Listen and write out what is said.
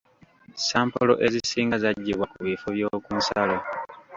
Sampolo ezisinga zaggyibwa ku bifo by'oku nsalo.